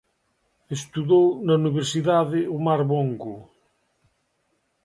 Estudou na Universidade Omar Bongo.